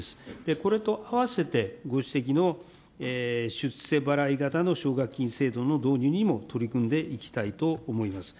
これとあわせて、ご指摘の出世払い型の奨学金制度の導入にも取り組んでいきたいと思います。